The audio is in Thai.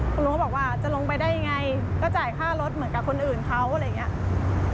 คุณลุงก็บอกว่าจะลงไปได้ยังไงก็จ่ายค่ารถเหมือนกับคนอื่นเขาอะไรอย่างนี้